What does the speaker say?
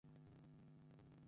ছেলেগুলোকে নিয়ে কোথায় যাচ্ছিস?